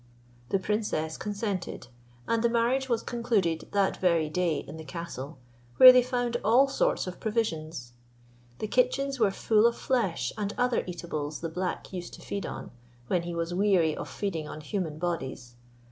The princess consented, and the marriage was concluded that very day in the castle, where they found all sorts of provisions. The kitchens were full of flesh and other eatables the black used to feed on, when he was weary of feeding on human bodies.